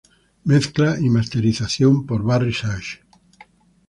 Mezcla y masterización por Barry Sage.